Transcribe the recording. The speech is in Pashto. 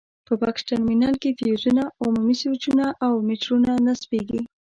په بکس ترمینل کې فیوزونه، عمومي سویچونه او میټرونه نصبېږي.